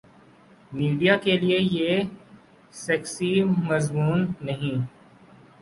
Media کیلئے یہ sexy مضمون نہیں۔